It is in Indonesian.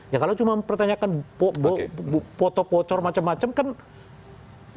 ya kalau cuma mempertanyakan foto pocor macam macam kan